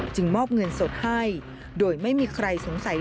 จึงมอบเงินสดให้